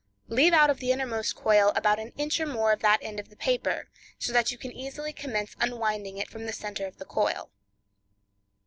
Leave out of the innermost coil about an inch or more of that end of the paper, so that you can easily commence unwinding it from the center of the coil.